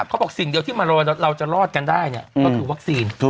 เขาบอกสิ่งเดียวที่เราจะรอดกันได้เนี่ยก็คือวัคซีน